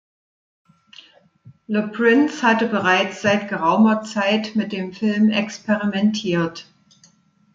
Le Prince hatte bereits seit geraumer Zeit mit dem Film experimentiert.